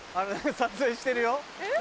撮影してるよ。